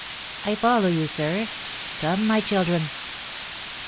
"I follow you, sir. Come, my children."